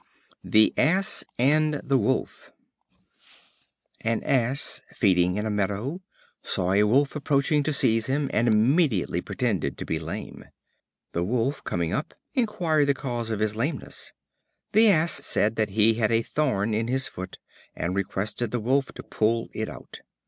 The Ass and the Wolf. An Ass, feeding in a meadow, saw a Wolf approaching to seize him, and immediately pretended to be lame. The Wolf, coming up, inquired the cause of his lameness. The Ass said that he had a thorn in his foot, and requested the Wolf to pull it out.